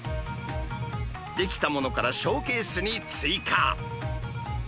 出来たものからショーケースに追加。